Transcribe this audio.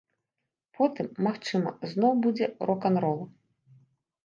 Потым, магчыма, зноў будзе рок-н-рол.